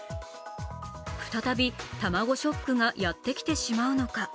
再び、卵ショックがやってきてしまうのか。